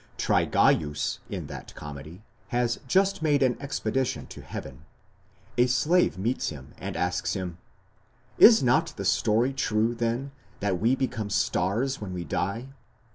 Trygaeus in that comedy has just made an expedition to heaven. A slave meets him, and asks him: 'Is not the story true, then, that we become stars when we die?'